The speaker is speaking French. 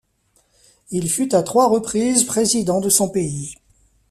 Il fut à trois reprises président de son pays.